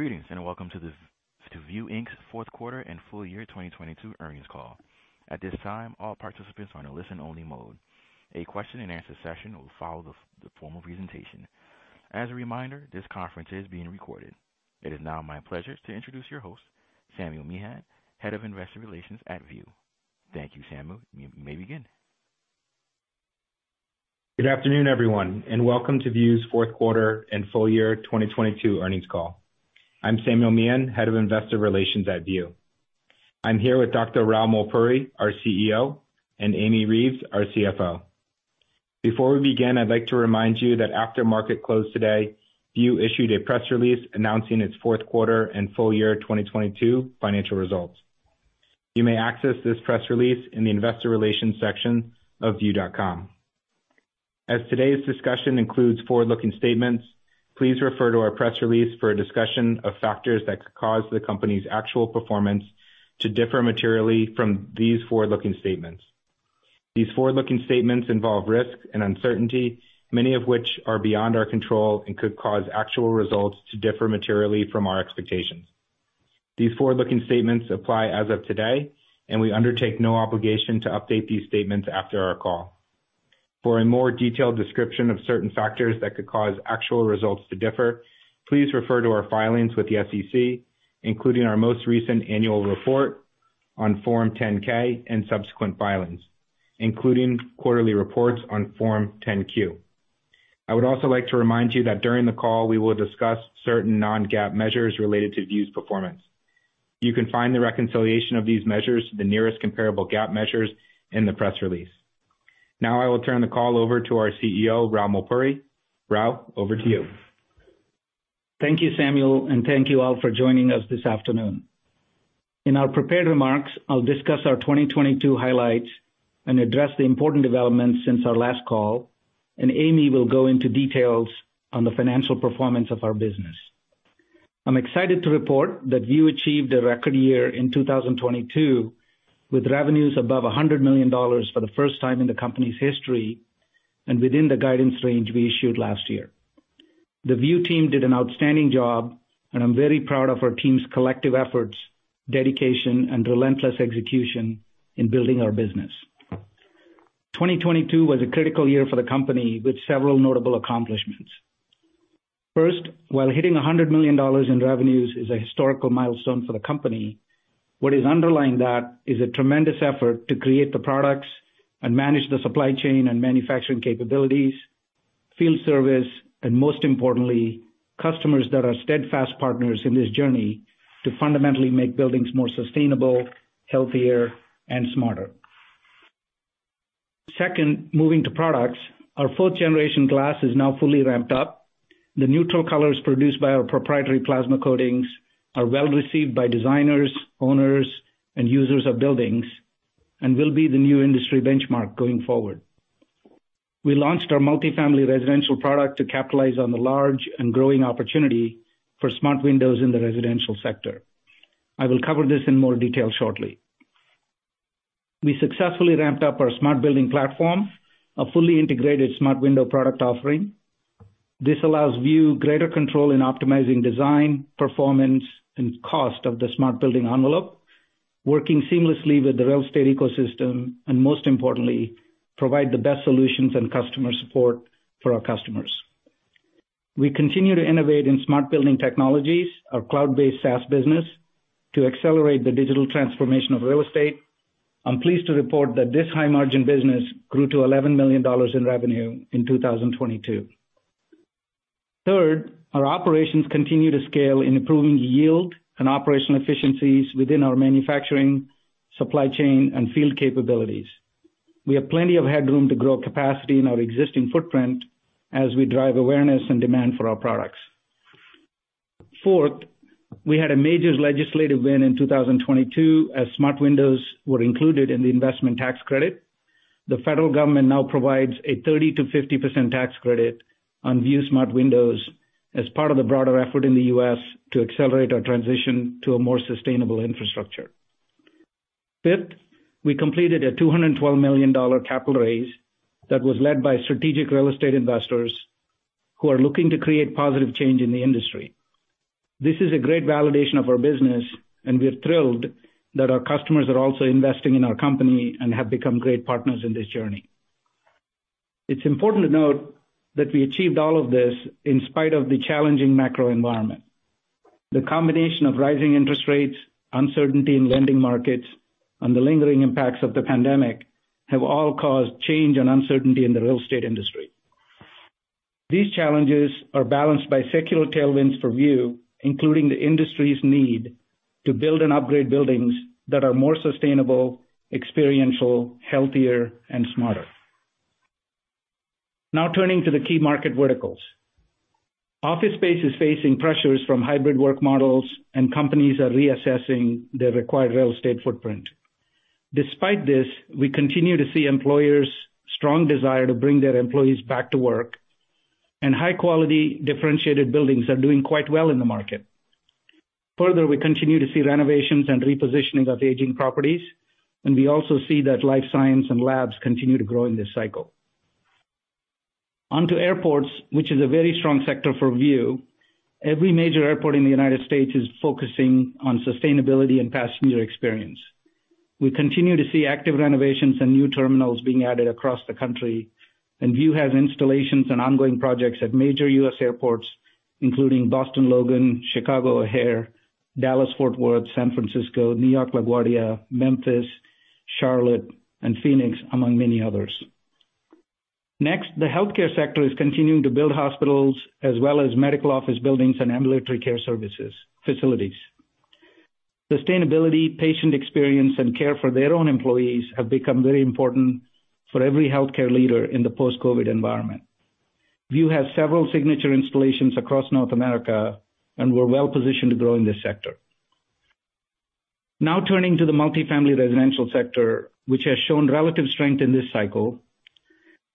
Greetings, Welcome to View, Inc.'s fourth quarter and full year 2022 earnings call. At this time, all participants are in a listen-only mode. A question and answer session will follow the formal presentation. As a reminder, this conference is being recorded. It is now my pleasure to introduce your host, Samuel Meehan, Head of Investor Relations at View. Thank you, Samuel. You may begin. Good afternoon, everyone, welcome to View's fourth quarter and full year 2022 earnings call. I'm Samuel Meehan, Head of Investor Relations at View. I'm here with Dr. Rao Mulpuri, our CEO, and Amy Reeves, our CFO. Before we begin, I'd like to remind you that after market closed today, View issued a press release announcing its fourth quarter and full year 2022 financial results. You may access this press release in the investor relations section of view.com. Today's discussion includes forward-looking statements, please refer to our press release for a discussion of factors that could cause the company's actual performance to differ materially from these forward-looking statements. These forward-looking statements involve risks and uncertainty, many of which are beyond our control and could cause actual results to differ materially from our expectations. These forward-looking statements apply as of today, and we undertake no obligation to update these statements after our call. For a more detailed description of certain factors that could cause actual results to differ, please refer to our filings with the SEC, including our most recent annual report on Form 10-K and subsequent filings, including quarterly reports on Form 10-Q. I would also like to remind you that during the call, we will discuss certain non-GAAP measures related to View's performance. You can find the reconciliation of these measures to the nearest comparable GAAP measures in the press release. Now I will turn the call over to our CEO, Rao Mulpuri. Rao, over to you. Thank you, Samuel, and thank you all for joining us this afternoon. In our prepared remarks, I'll discuss our 2022 highlights and address the important developments since our last call, and Amy will go into details on the financial performance of our business. I'm excited to report that View achieved a record year in 2022, with revenues above $100 million for the first time in the company's history, and within the guidance range we issued last year. The View team did an outstanding job, and I'm very proud of our team's collective efforts, dedication, and relentless execution in building our business. 2022 was a critical year for the company with several notable accomplishments. First, while hitting $100 million in revenues is a historical milestone for the company, what is underlying that is a tremendous effort to create the products and manage the supply chain and manufacturing capabilities, field service, and most importantly, customers that are steadfast partners in this journey to fundamentally make buildings more sustainable, healthier, and smarter. Second, moving to products. Our fourth generation glass is now fully ramped up. The neutral colors produced by our proprietary plasma coatings are well-received by designers, owners, and users of buildings and will be the new industry benchmark going forward. We launched our multifamily residential product to capitalize on the large and growing opportunity for smart windows in the residential sector. I will cover this in more detail shortly. We successfully ramped up our Smart Building Platform, a fully integrated smart window product offering. This allows View greater control in optimizing design, performance, and cost of the smart building envelope, working seamlessly with the real estate ecosystem, most importantly, provide the best solutions and customer support for our customers. We continue to innovate in Smart Building Technologies, our cloud-based SaaS business, to accelerate the digital transformation of real estate. I'm pleased to report that this high-margin business grew to $11 million in revenue in 2022. Third, our operations continue to scale in improving yield and operational efficiencies within our manufacturing, supply chain, and field capabilities. We have plenty of headroom to grow capacity in our existing footprint as we drive awareness and demand for our products. Fourth, we had a major legislative win in 2022 as smart windows were included in the Investment Tax Credit. The federal government now provides a 30%-50% tax credit on View Smart Windows as part of the broader effort in the U.S. to accelerate our transition to a more sustainable infrastructure. Fifth, we completed a $212 million capital raise that was led by strategic real estate investors who are looking to create positive change in the industry. This is a great validation of our business, we're thrilled that our customers are also investing in our company and have become great partners in this journey. It's important to note that we achieved all of this in spite of the challenging macro environment. The combination of rising interest rates, uncertainty in lending markets, and the lingering impacts of the pandemic have all caused change and uncertainty in the real estate industry. These challenges are balanced by secular tailwinds for View, including the industry's need to build and upgrade buildings that are more sustainable, experiential, healthier, and smarter. Now turning to the key market verticals. Office space is facing pressures from hybrid work models, and companies are reassessing their required real estate footprint. Despite this, we continue to see employers' strong desire to bring their employees back to work, and high-quality, differentiated buildings are doing quite well in the market. Further, we continue to see renovations and repositioning of aging properties, and we also see that life science and labs continue to grow in this cycle. On to airports, which is a very strong sector for View. Every major airport in the United States is focusing on sustainability and passenger experience. We continue to see active renovations and new terminals being added across the country, and View has installations and ongoing projects at major U.S. airports, including Boston Logan, Chicago O'Hare, Dallas Fort Worth, San Francisco, New York LaGuardia, Memphis, Charlotte, and Phoenix, among many others. The healthcare sector is continuing to build hospitals as well as medical office buildings and ambulatory care services facilities. Sustainability, patient experience, and care for their own employees have become very important for every healthcare leader in the post-COVID environment. View has several signature installations across North America, and we're well-positioned to grow in this sector. Turning to the multifamily residential sector, which has shown relative strength in this cycle.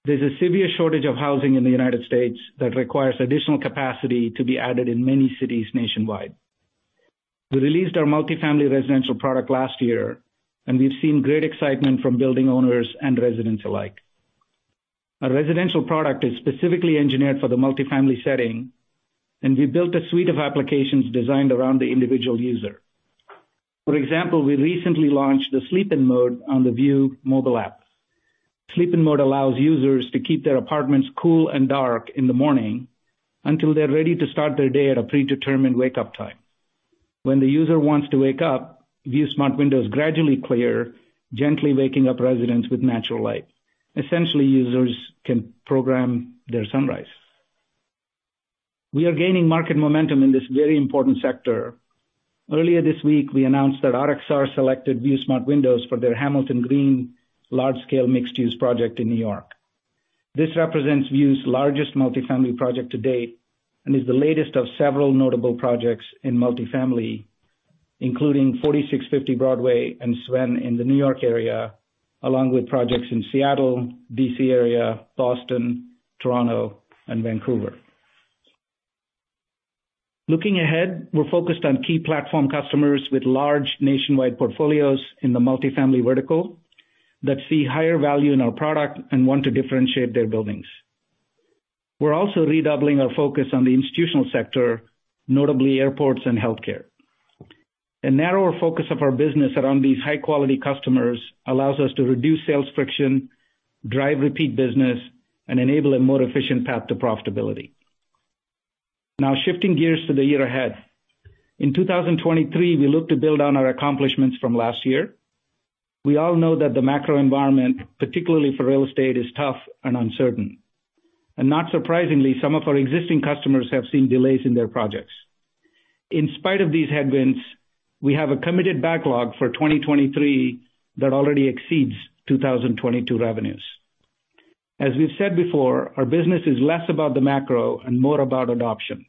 There's a severe shortage of housing in the United States that requires additional capacity to be added in many cities nationwide. We released our multifamily residential product last year, and we've seen great excitement from building owners and residents alike. Our residential product is specifically engineered for the multifamily setting, and we built a suite of applications designed around the individual user. For example, we recently launched the Sleep-In Mode on the View mobile app. Sleep-In Mode allows users to keep their apartments cool and dark in the morning until they're ready to start their day at a predetermined wake-up time. When the user wants to wake up, View Smart Windows gradually clear, gently waking up residents with natural light. Essentially, users can program their sunrise. We are gaining market momentum in this very important sector. Earlier this week, we announced that RXR selected View Smart Windows for their Hamilton Green large-scale mixed-use project in New York. This represents View's largest multifamily project to date and is the latest of several notable projects in multifamily, including Forty-Six Fifty Broadway and Sven in the New York area, along with projects in Seattle, D.C. area, Boston, Toronto, and Vancouver. Looking ahead, we're focused on key platform customers with large nationwide portfolios in the multifamily vertical that see higher value in our product and want to differentiate their buildings. We're also redoubling our focus on the institutional sector, notably airports and healthcare. A narrower focus of our business around these high-quality customers allows us to reduce sales friction, drive repeat business, and enable a more efficient path to profitability. Shifting gears to the year ahead. In 2023, we look to build on our accomplishments from last year. We all know that the macro environment, particularly for real estate, is tough and uncertain. Not surprisingly, some of our existing customers have seen delays in their projects. In spite of these headwinds, we have a committed backlog for 2023 that already exceeds 2022 revenues. We've said before, our business is less about the macro and more about adoption.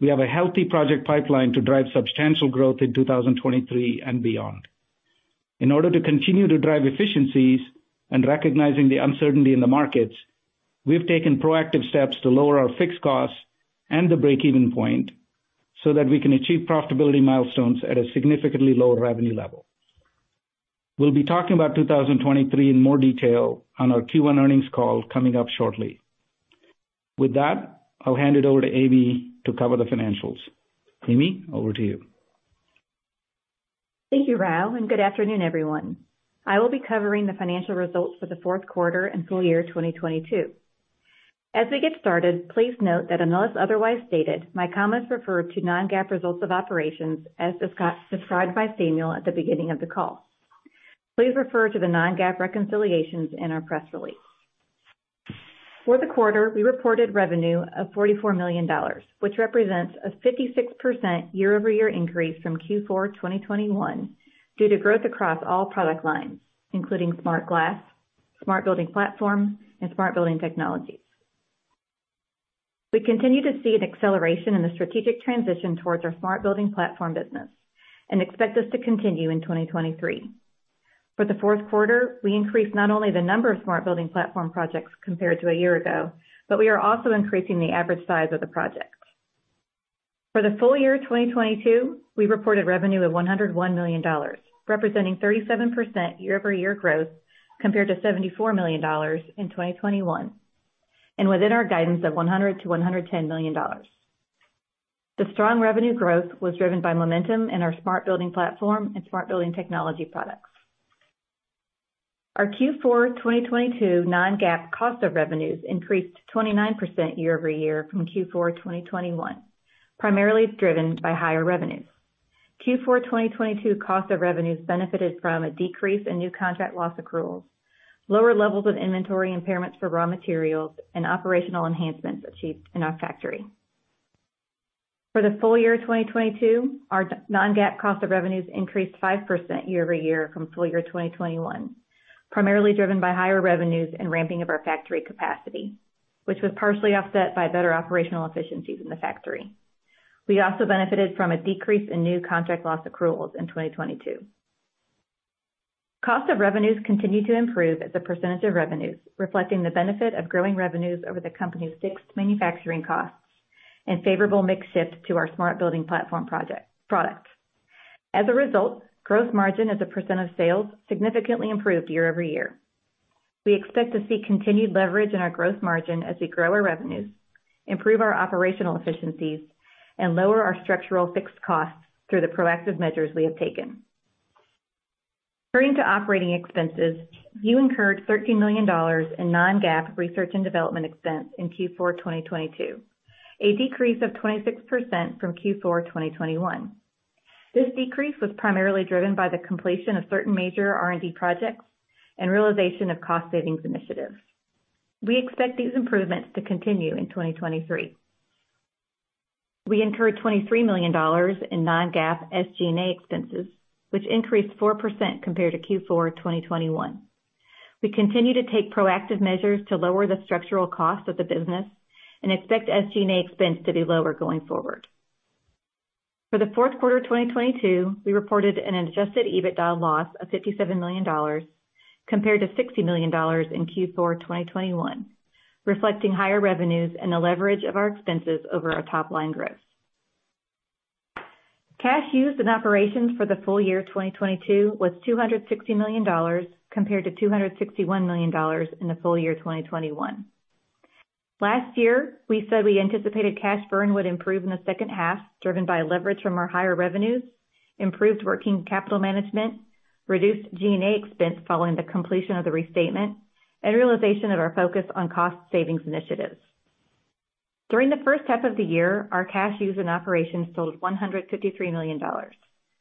We have a healthy project pipeline to drive substantial growth in 2023 and beyond. To continue to drive efficiencies and recognizing the uncertainty in the markets, we've taken proactive steps to lower our fixed costs and the break-even point so that we can achieve profitability milestones at a significantly lower revenue level. We'll be talking about 2023 in more detail on our Q1 earnings call coming up shortly. That, I'll hand it over to Amy to cover the financials. Amy, over to you. Thank you, Rao. Good afternoon, everyone. I will be covering the financial results for the fourth quarter and full year 2022. As we get started, please note that unless otherwise stated, my comments refer to non-GAAP results of operations as described by Samuel at the beginning of the call. Please refer to the non-GAAP reconciliations in our press release. For the quarter, we reported revenue of $44 million, which represents a 56% year-over-year increase from Q4 2021 due to growth across all product lines, including Smart Glass, Smart Building Platform, and Smart Building Technologies. We continue to see an acceleration in the strategic transition towards our Smart Building Platform business and expect this to continue in 2023. For the fourth quarter, we increased not only the number of Smart Building Platform projects compared to a year ago, but we are also increasing the average size of the projects. For the full year 2022, we reported revenue of $101 million, representing 37% year-over-year growth compared to $74 million in 2021 and within our guidance of $100-110 million. The strong revenue growth was driven by momentum in our Smart Building Platform and Smart Building technology products. Our Q4 2022 non-GAAP cost of revenues increased 29% year-over-year from Q4 2021, primarily driven by higher revenues. Q4 2022 cost of revenues benefited from a decrease in new contract loss accruals, lower levels of inventory impairments for raw materials, and operational enhancements achieved in our factory. For the full year 2022, our non-GAAP cost of revenues increased 5% year-over-year from full year 2021, primarily driven by higher revenues and ramping of our factory capacity, which was partially offset by better operational efficiencies in the factory. We also benefited from a decrease in new contract loss accruals in 2022. Cost of revenues continue to improve as a % of revenues, reflecting the benefit of growing revenues over the company's fixed manufacturing costs and favorable mix shift to our Smart Building Platform product. As a result, gross margin as a % of sales significantly improved year-over-year. We expect to see continued leverage in our gross margin as we grow our revenues, improve our operational efficiencies, and lower our structural fixed costs through the proactive measures we have taken. Turning to operating expenses. You incurred $13 million in non-GAAP research and development expense in Q4 2022, a decrease of 26% from Q4 2021. This decrease was primarily driven by the completion of certain major R&D projects and realization of cost savings initiatives. We expect these improvements to continue in 2023. We incurred $23 million in non-GAAP SG&A expenses, which increased 4% compared to Q4 2021. We continue to take proactive measures to lower the structural cost of the business and expect SG&A expense to be lower going forward. For the fourth quarter of 2022, we reported an adjusted EBITDA loss of $57 million compared to $60 million in Q4 2021, reflecting higher revenues and a leverage of our expenses over our top line growth. Cash used in operations for the full year 2022 was $260 million compared to $261 million in the full year 2021. Last year, we said we anticipated cash burn would improve in the second half, driven by leverage from our higher revenues, improved working capital management, reduced G&A expense following the completion of the restatement, and realization of our focus on cost savings initiatives. During the first half of the year, our cash used in operations totaled $153 million.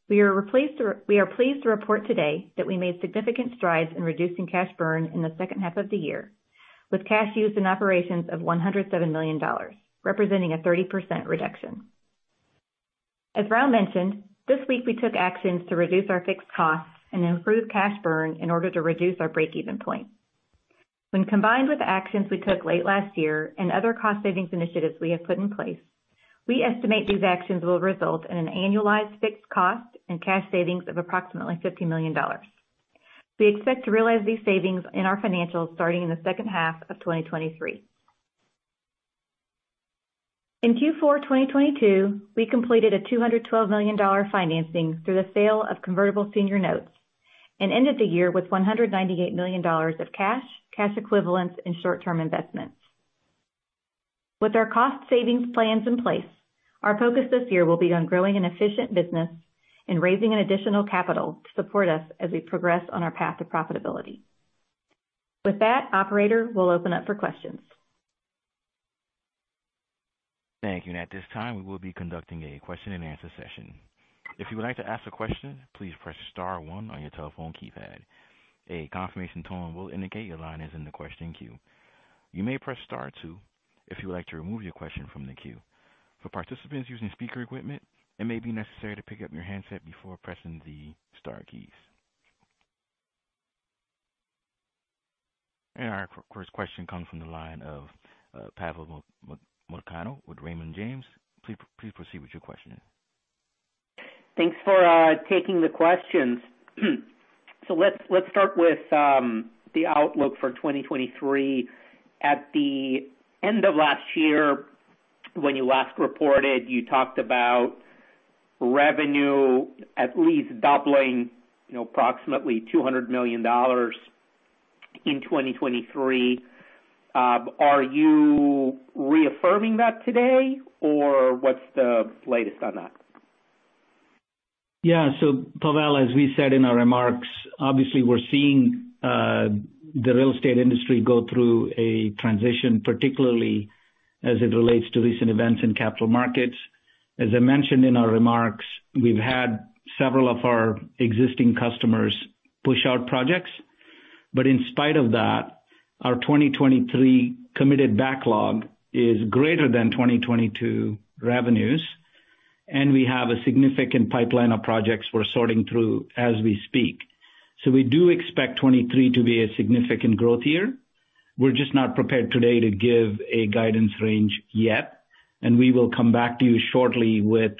We are pleased to report today that we made significant strides in reducing cash burn in the second half of the year, with cash used in operations of $107 million, representing a 30% reduction. As Rao mentioned, this week we took actions to reduce our fixed costs and improve cash burn in order to reduce our break-even point. When combined with actions we took late last year and other cost savings initiatives we have put in place, we estimate these actions will result in an annualized fixed cost and cash savings of approximately $50 million. We expect to realize these savings in our financials starting in the second half of 2023. In Q4 2022, we completed a $212 million financing through the sale of convertible senior notes and ended the year with $198 million of cash equivalents and short-term investments. With our cost savings plans in place, our focus this year will be on growing an efficient business and raising an additional capital to support us as we progress on our path to profitability. With that, operator, we'll open up for questions. Thank you. At this time, we will be conducting a question-and-answer session. If you would like to ask a question, please press star one on your telephone keypad. A confirmation tone will indicate your line is in the question queue. You may press star two if you would like to remove your question from the queue. For participants using speaker equipment, it may be necessary to pick up your handset before pressing the star keys. Our first question comes from the line of Pavel Molchanov with Raymond James. Please proceed with your question. Thanks for taking the questions. Let's start with the outlook for 2023. At the end of last year, when you last reported, you talked about revenue at least doubling, you know, approximately $200 million in 2023. Are you reaffirming that today or what's the latest on that? Pavel, as we said in our remarks, obviously we're seeing the real estate industry go through a transition, particularly as it relates to recent events in capital markets. As I mentioned in our remarks, we've had several of our existing customers push out projects, but in spite of that, our 2023 committed backlog is greater than 2022 revenues, and we have a significant pipeline of projects we're sorting through as we speak. We do expect 2023 to be a significant growth year. We're just not prepared today to give a guidance range yet. We will come back to you shortly with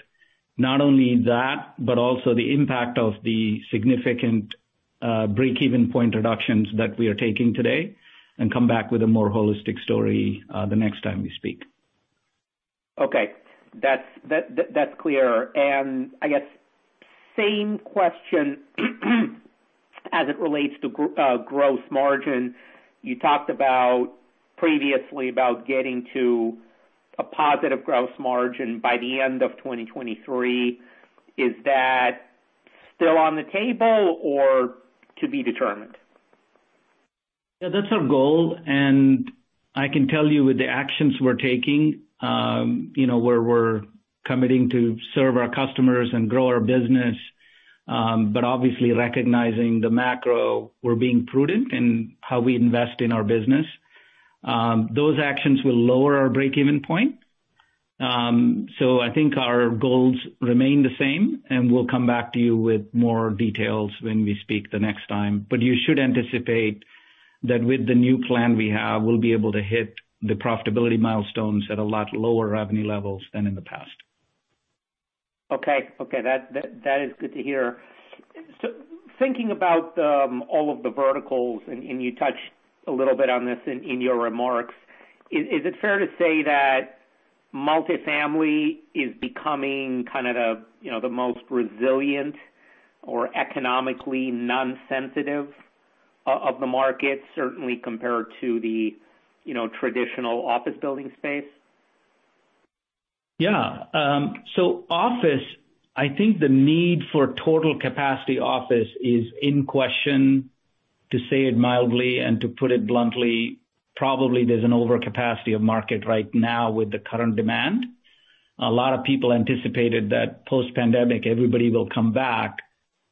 not only that, but also the impact of the significant break-even point reductions that we are taking today, and come back with a more holistic story the next time we speak. Okay. That's clear. I guess same question as it relates to gross margin. You talked about previously about getting to a positive gross margin by the end of 2023. Is that still on the table or to be determined? That's our goal. I can tell you with the actions we're taking, you know, where we're committing to serve our customers and grow our business, but obviously recognizing the macro, we're being prudent in how we invest in our business. Those actions will lower our break-even point. I think our goals remain the same, and we'll come back to you with more details when we speak the next time. You should anticipate that with the new plan we have, we'll be able to hit the profitability milestones at a lot lower revenue levels than in the past. Okay, that is good to hear. Thinking about all of the verticals, and you touched a little bit on this in your remarks. Is it fair to say that multifamily is becoming kind of the, you know, the most resilient or economically non-sensitive of the market, certainly compared to the, you know, traditional office building space? Yeah. Office, I think the need for total capacity office is in question, to say it mildly and to put it bluntly, probably there's an overcapacity of market right now with the current demand. A lot of people anticipated that post-pandemic, everybody will come back.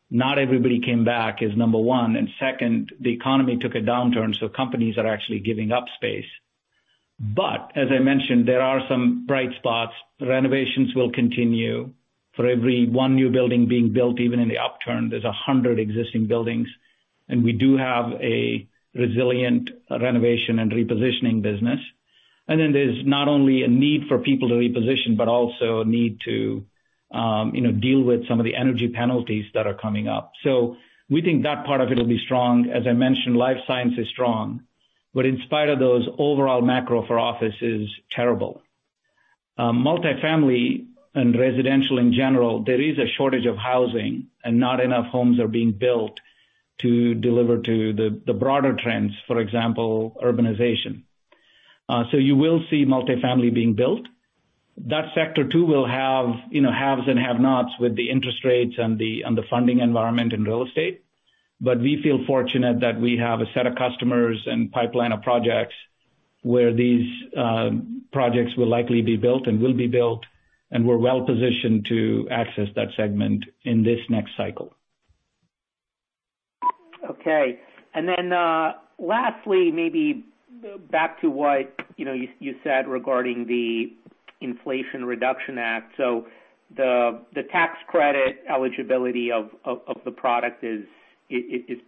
Not everybody came back is number one. Second, the economy took a downturn, so companies are actually giving up space. As I mentioned, there are some bright spots. Renovations will continue. For every one new building being built, even in the upturn, there's 100 existing buildings. We do have a resilient renovation and repositioning business. There's not only a need for people to reposition, but also a need to, you know, deal with some of the energy penalties that are coming up. We think that part of it will be strong. As I mentioned, life science is strong. In spite of those overall macro for office is terrible. Multifamily and residential in general, there is a shortage of housing, and not enough homes are being built to deliver to the broader trends, for example, urbanization. You will see multifamily being built. That sector too will have, you know, haves and have-nots with the interest rates and the, and the funding environment in real estate. We feel fortunate that we have a set of customers and pipeline of projects where these projects will likely be built and will be built, and we're well-positioned to access that segment in this next cycle. Okay. Lastly, maybe back to what, you know, you said regarding the Inflation Reduction Act. The tax credit eligibility of the product is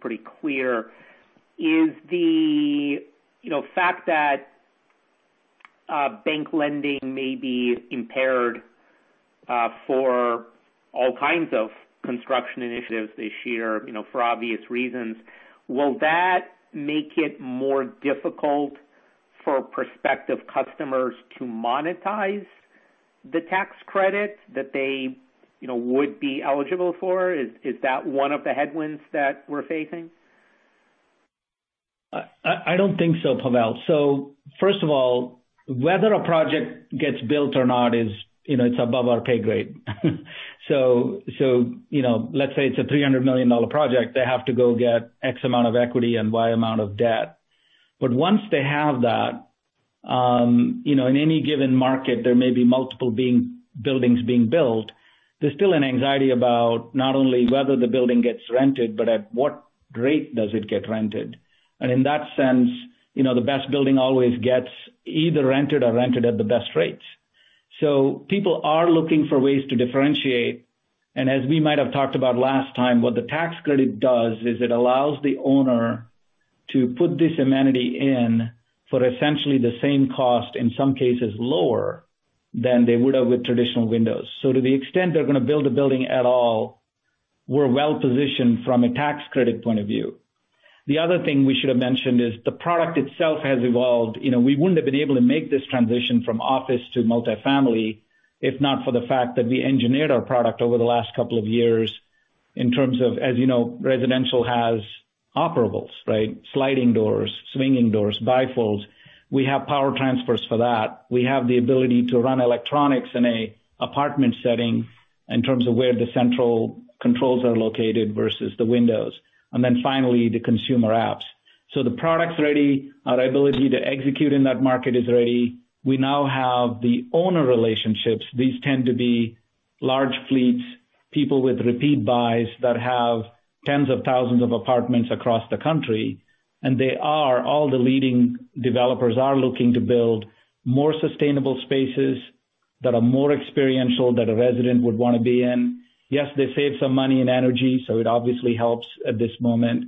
pretty clear. Is the, you know, fact that bank lending may be impaired for all kinds of construction initiatives this year, you know, for obvious reasons. Will that make it more difficult for prospective customers to monetize the tax credit that they, you know, would be eligible for? Is that one of the headwinds that we're facing? I don't think so, Pavel. First of all, whether a project gets built or not is, you know, it's above our pay grade. you know, let's say it's a $300 million project. They have to go get X amount of equity and Y amount of debt. Once they have that, you know, in any given market, there may be multiple buildings being built. There's still an anxiety about not only whether the building gets rented, but at what rate does it get rented. In that sense, View, the best building always gets either rented or rented at the best rates. People are looking for ways to differentiate. As we might have talked about last time, what the tax credit does is it allows the owner to put this amenity in for essentially the same cost, in some cases lower, than they would have with traditional windows. To the extent they're gonna build a building at all, we're well-positioned from a tax credit point of view. The other thing we should have mentioned is the product itself has evolved. You know, we wouldn't have been able to make this transition from office to multifamily if not for the fact that we engineered our product over the last couple of years in terms of, as you know, residential has operables, right? Sliding doors, swinging doors, bifolds. We have power transfers for that. We have the ability to run electronics in a apartment setting in terms of where the central controls are located versus the windows. Finally, the consumer apps. The product's ready. Our ability to execute in that market is ready. We now have the owner relationships. These tend to be large fleets, people with repeat buys that have tens of thousands of apartments across the country. All the leading developers are looking to build more sustainable spaces that are more experiential that a resident would wanna be in. Yes, they save some money in energy, so it obviously helps at this moment.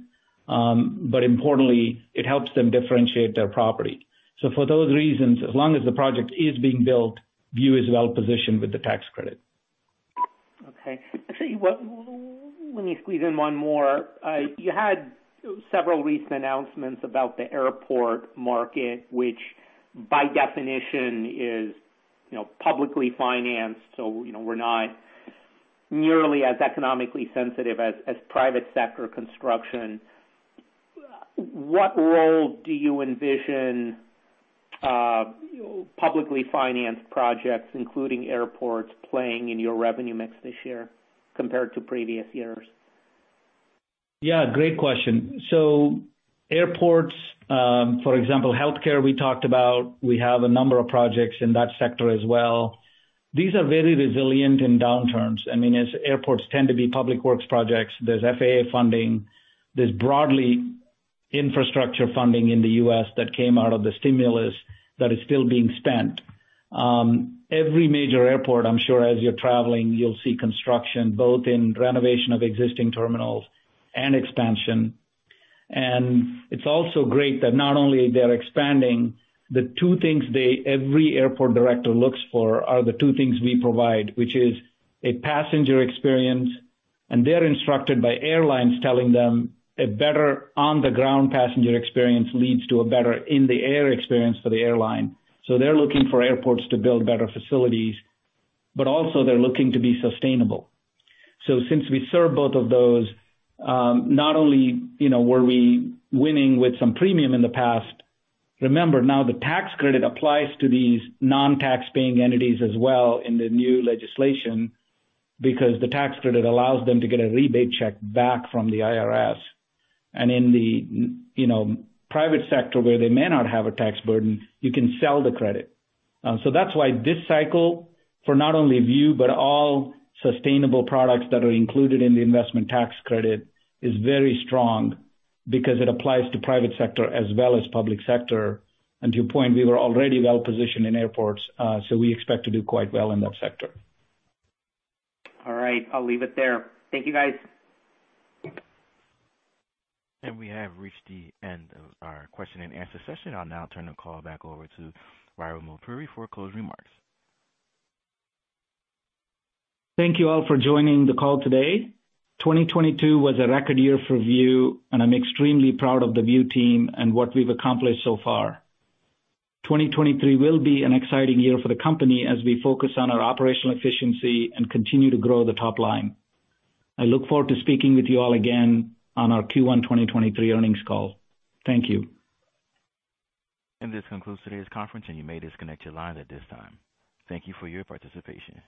Importantly, it helps them differentiate their property. For those reasons, as long as the project is being built, View is well-positioned with the tax credit. Okay. Actually, let me squeeze in one more. You had several recent announcements about the airport market, which by definition is, you know, publicly financed. You know, we're not nearly as economically sensitive as private sector construction. What role do you envision, you know, publicly financed projects, including airports, playing in your revenue mix this year compared to previous years? Yeah, great question. Airports, for example, healthcare, we talked about, we have a number of projects in that sector as well. These are very resilient in downturns. I mean, as airports tend to be public works projects, there's FAA funding. There's broadly infrastructure funding in the US that came out of the stimulus that is still being spent. Every major airport, I'm sure as you're traveling, you'll see construction, both in renovation of existing terminals and expansion. It's also great that not only they're expanding, the two things every airport director looks for are the two things we provide, which is a passenger experience. They're instructed by airlines telling them a better on the ground passenger experience leads to a better in the air experience for the airline. They're looking for airports to build better facilities, but also they're looking to be sustainable. Since we serve both of those, not only, you know, were we winning with some premium in the past. Remember, now the tax credit applies to these non-tax paying entities as well in the new legislation because the tax credit allows them to get a rebate check back from the IRS. In the, you know, private sector where they may not have a tax burden, you can sell the credit. That's why this cycle, for not only View, but all sustainable products that are included in the investment tax credit is very strong because it applies to private sector as well as public sector. To your point, we were already well-positioned in airports, so we expect to do quite well in that sector. All right. I'll leave it there. Thank you, guys. We have reached the end of our question and answer session. I'll now turn the call back over to Rao Mulpuri for closing remarks. Thank you all for joining the call today. 2022 was a record year for View, and I'm extremely proud of the View team and what we've accomplished so far. 2023 will be an exciting year for the company as we focus on our operational efficiency and continue to grow the top line. I look forward to speaking with you all again on our Q1 2023 earnings call. Thank you. This concludes today's conference, and you may disconnect your line at this time. Thank you for your participation.